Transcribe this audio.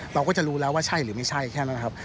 เราก็จะรู้แล้วว่าใช่หรือไม่ใช่แค่นั้นนะครับ